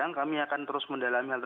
dan kami akan terus mendalami